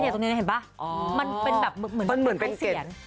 ตรงนี้เห็นป่ะมันเป็นแบบเหมือนเป็นเสียง